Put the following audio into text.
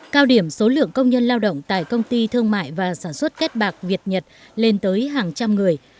cao điểm số lượng công nhân lao động tại công ty thương mại và sản xuất kết bạc việt nhật lên tới hàng trăm người